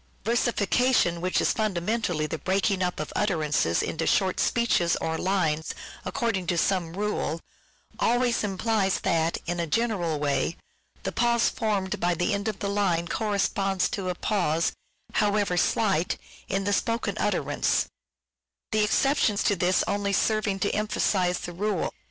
Versification, which is fundamentally the breaking up of utterances into short pieces, or lines, according to some rule, always implies that, in a general way, the pause formed by the end of the line corresponds to a pause, however slight, in the spoken utterance; the exceptions to this only serving to emphasize the rule